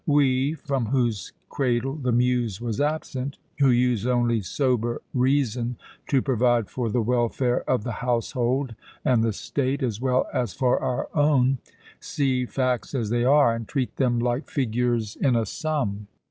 We, from whose cradle the Muse was absent, who use only sober reason to provide for the welfare of the household and the state, as well as for our own, see facts as they are and treat them like figures in a sum.